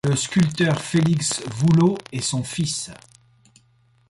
Le sculpteur Félix Voulot est son fils.